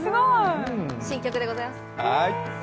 新曲でございます。